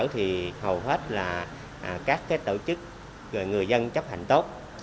thì hầu hết là các tổ chức người dân chấp hành tốt